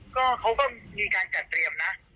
ก็เขาก็มีการจัดเตรียมนะ